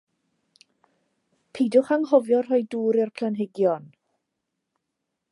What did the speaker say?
Peidiwch anghofio rhoi dŵr i'r planhigion.